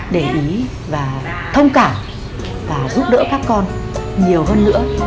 để ý và thông cảm và giúp đỡ các con nhiều hơn nữa